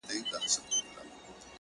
• را ایستل یې له قبرونو کفنونه,